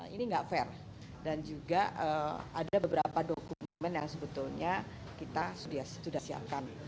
ini nggak fair dan juga ada beberapa dokumen yang sebetulnya kita sudah siapkan